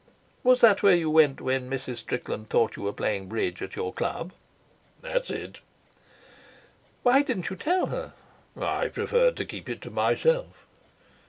"Was that where you went when Mrs. Strickland thought you were playing bridge at your club?" "That's it." "Why didn't you tell her?" "I preferred to keep it to myself."